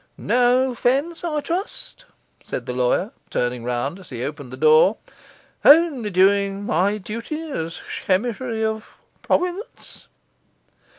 'No offence, I trust,' said the lawyer, turning round as he opened the door; 'only doing my duty as shemishery of Providence.